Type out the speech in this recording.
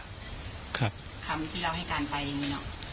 ก็เป็นกำกับคำที่เราให้การไปอย่างนี้เนอะ